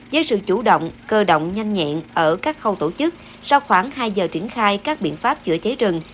với sự chủ động cơ động nhanh nhẹn ở các khâu tổ chức sau khoảng hai giờ triển khai các biện pháp chữa cháy rừng